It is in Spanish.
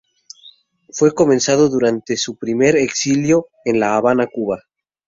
Fue comenzado durante su primer exilio en La Habana, Cuba.